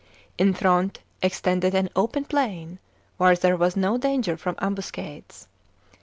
In front extended an open plain, where there was no danger from ambuscades.